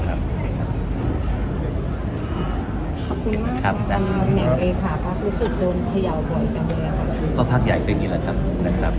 ก็จะชื่นครพร่วมหมายถึงท่านใช่ไหมครับ